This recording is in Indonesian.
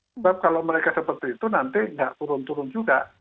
sebab kalau mereka seperti itu nanti nggak turun turun juga